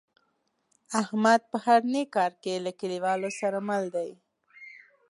احمد په هر نیک کار کې له کلیوالو سره مل دی.